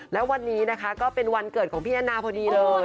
และวันนี้นะคะก็เป็นวันเกิดของพี่แอนนาพอดีเลย